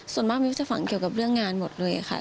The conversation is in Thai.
ส่วนมากมิวจะฝังเกี่ยวกับเรื่องงานหมดเลยค่ะ